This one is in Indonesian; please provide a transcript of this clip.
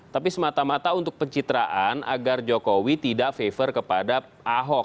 tapi semata mata untuk pencitraan agar jokowi tidak favor kepada ahok